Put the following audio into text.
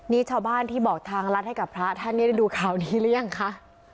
นี่ชาวบ้านที่บอกทางรัฐให้กับพระท่านเนี่ยได้ดูข่าวนี้หรือยังคะ